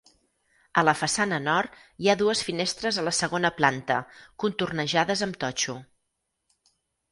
A la façana nord, hi ha dues finestres a la segona planta contornejades amb totxo.